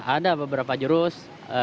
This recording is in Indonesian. ada beberapa jurus